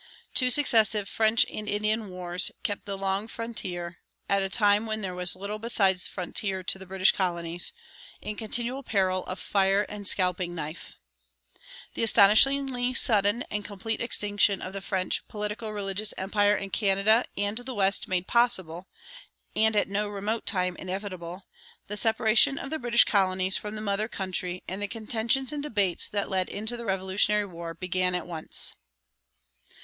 Two successive "French and Indian" wars kept the long frontier, at a time when there was little besides frontier to the British colonies, in continual peril of fire and scalping knife.[184:1] The astonishingly sudden and complete extinction of the French politico religious empire in Canada and the West made possible, and at no remote time inevitable, the separation of the British colonies from the mother country and the contentions and debates that led into the Revolutionary War began at once.